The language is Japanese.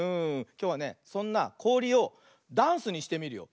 きょうはねそんなこおりをダンスにしてみるよ。